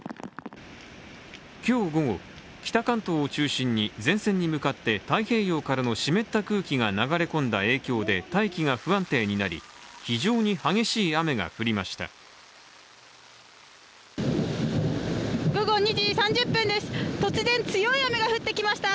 今日午後、北関東を中心に前線に向かって太平洋からの湿った空気が流れ込んだ影響で大気が不安定になり非常に激しい雨が降りました。